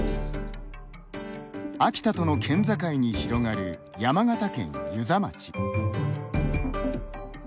秋田との県境に広がる山形県遊佐町。